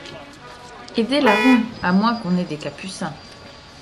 Et des larrons, à moins qu’on n’ait des capucins ;